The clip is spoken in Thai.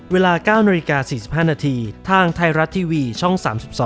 เวลา๙น๔๕นทางไทยรัฐทีวีช่อง๓๒